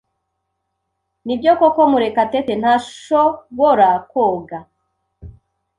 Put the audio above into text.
Nibyo koko Murekatete ntashobora koga?